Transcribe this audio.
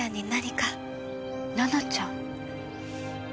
奈々ちゃん？